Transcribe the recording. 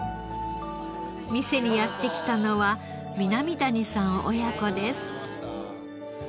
店にやって来たのは南谷さん親子です。